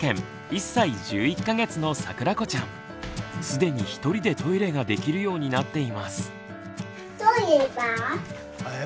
既に１人でトイレができるようになっています。